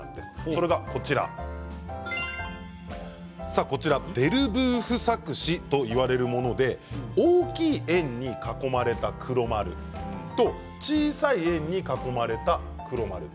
それがデルブーフ錯視といわれるもので大きい円に囲まれた黒丸と小さい円に囲まれた黒丸。